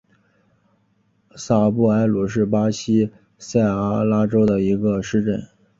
萨布埃鲁是巴西塞阿拉州的一个市镇。